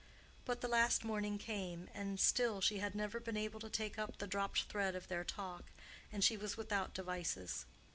But the last morning came, and still she had never been able to take up the dropped thread of their talk, and she was without devices.